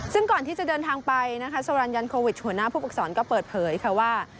ซึ่งก่อนที่จะเดินทางไปนะคะสรรยันโควิดหัวหน้าผู้ฝึกศรก็เปิดเผยค่ะว่า